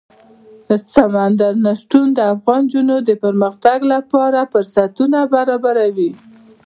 سمندر نه شتون د افغان نجونو د پرمختګ لپاره فرصتونه برابروي.